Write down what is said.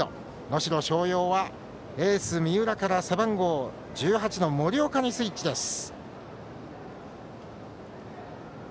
能代松陽はエース三浦から背番号１８の森岡にスイッチです。